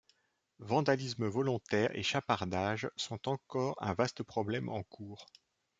Vandalisme volontaire et chapardages sont encore un vaste problème en cours.